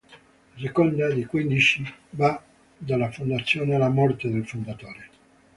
La seconda, di quindici, va dalla fondazione alla morte del fondatore.